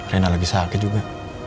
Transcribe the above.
rena lagi sakit juga